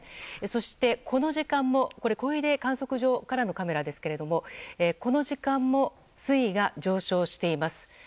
そして、この時間も小出観測所からのカメラですが水位が上昇しています。